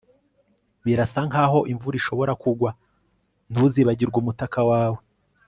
Birasa nkaho imvura ishobora kugwa ntuzibagirwe umutaka wawe